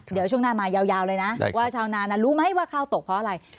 เดี๋ยวช่วงหน้ามายาวเลยนะว่าชาวนานรู้ไหมว่าข้าวตกเพราะอะไร